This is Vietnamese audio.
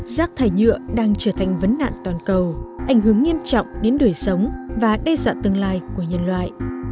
rác thải nhựa đang trở thành vấn nạn toàn cầu ảnh hưởng nghiêm trọng đến đời sống và đe dọa tương lai của nhân loại